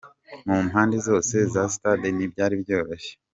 Mu mpande zose za Stade ntibyari byoroshye.